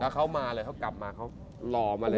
เขามาเลยเขากลับมาเขารอมาเลย